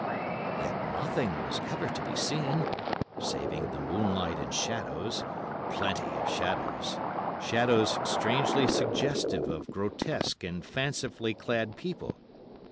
Yet nothing was ever to be seen, saving the moonlight and shadows—plenty of shadows—shadows strangely suggestive of grotesque and fancifully clad people.